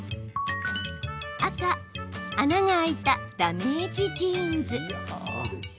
赤・穴が開いたダメージジーンズ。